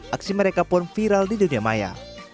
aksi mereka pun viral di dunia maya